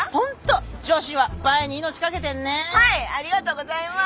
ありがとうございます。